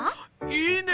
いいね。